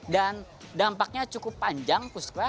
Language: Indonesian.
dan dampaknya cukup panjang puspa